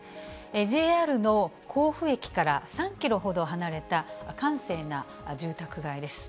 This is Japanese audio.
ＪＲの甲府駅から３キロほど離れた閑静な住宅街です。